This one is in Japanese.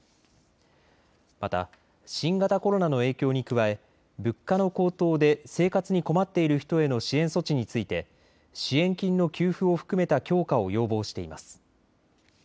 また新型コロナの影響に加え物価の高騰で生活に困っている人への支援措置について支援金の給付を含めた強化を要望しています。